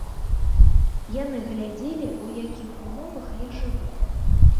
Яны глядзелі, у якіх умовах я жыву.